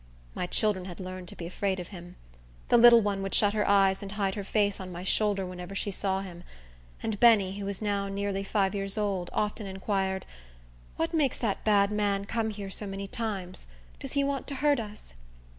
My children had learned to be afraid of him. The little one would shut her eyes and hide her face on my shoulder whenever she saw him; and Benny, who was now nearly five years old, often inquired, "What makes that bad man come here so many times? Does he want to hurt us?"